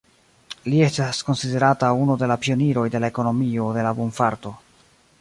Li estas konsiderata unu de la pioniroj de la ekonomio de la bonfarto.